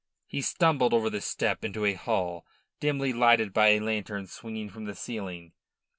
He stumbled over the step into a hall dimly lighted by a lantern swinging from the ceiling.